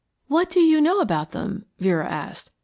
"What do you know about them?" Vera asked.